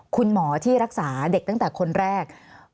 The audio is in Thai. คุณหมอที่รักษาเด็กตั้งแต่คนแรก